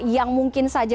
yang mungkin saja